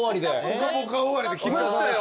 『ぽかぽか』終わりで来ましたよ。